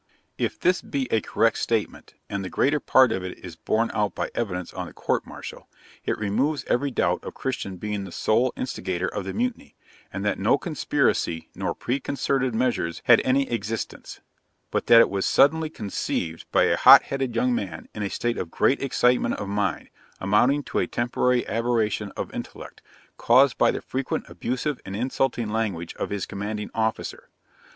If this be a correct statement, and the greater part of it is borne out by evidence on the court martial, it removes every doubt of Christian being the sole instigator of the mutiny, and that no conspiracy nor pre concerted measures had any existence, but that it was suddenly conceived by a hot headed young man, in a state of great excitement of mind, amounting to a temporary aberration of intellect, caused by the frequent abusive and insulting language of his commanding officer.